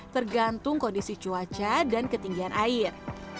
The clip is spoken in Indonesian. tergantung kondisi cuaca dan ketinggian air